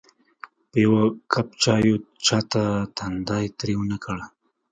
په یوه کپ چایو چاته تندی تریو نه کړ.